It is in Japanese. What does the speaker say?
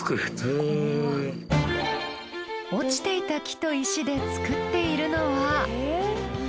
落ちていた木と石で作っているのは。